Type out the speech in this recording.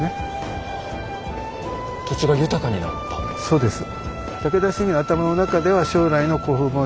そうです。